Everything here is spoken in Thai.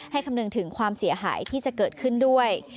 คำนึงถึงความเสียหายที่จะเกิดขึ้นด้วย